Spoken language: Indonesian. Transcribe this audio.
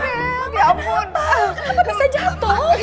kenapa bisa jatuh